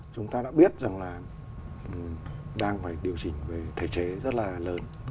chúng ta đã biết rằng là đang phải điều chỉnh về thể chế rất là lớn